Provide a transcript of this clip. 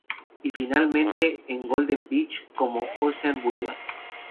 Y finalmente en Golden Beach como Ocean Boulevard.